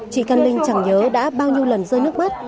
chị căn linh chẳng nhớ đã bao nhiêu lần rơi nước mắt